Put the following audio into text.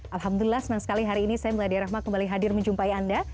alhamdulillah senang sekali hari ini saya meladia rahma kembali hadir menjumpai anda